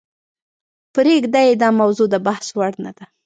پریږده یې داموضوع دبحث وړ نه ده .